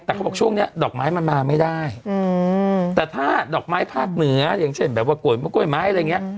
แต่เขาบอกช่วงนี้ดอกไม้มันมาไม่ได้แต่ถ้าดอกไม้ภาคเหนืออย่างเช่นแบบว่ากล้วยไม้อะไรอย่างเงี้ย